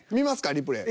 リプレイ。